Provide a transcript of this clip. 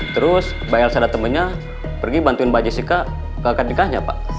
terus mbak elsa datangnya pergi bantuin mbak jessica ke akad nikahnya pak